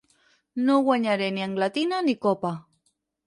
No guanyaré ni englantina ni copa.